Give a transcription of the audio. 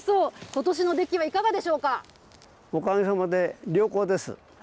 ことしの出来はいかがでしょうかおかげさまで良好です。